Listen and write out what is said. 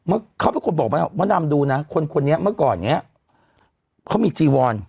เขาเป็นคนบอกไหมมะดำดูนะคนคนนี้เมื่อก่อนเนี้ยเขามีจีวอน